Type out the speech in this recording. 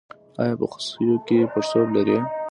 ایا په خصیو کې پړسوب لرئ؟